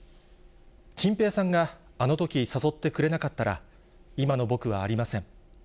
チンペイさんがあの時誘ってくれなかったら、今の僕はありません。